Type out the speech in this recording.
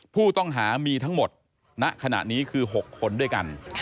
ผู้ต้องหามีทั้งหมดณขณะนี้คือ๖คนด้วยกัน